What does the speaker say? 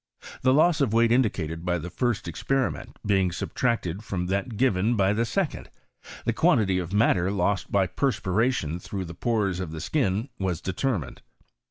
The loss of weight indicated by the first experiment being subtracted from that given by the second, the quantity of matter lost hy peTspiration through the pores of the skia was determined.